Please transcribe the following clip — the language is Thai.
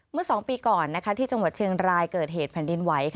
เมื่อ๒ปีก่อนที่จังหวัดเชียงรายเกิดเหตุแผ่นดินไหว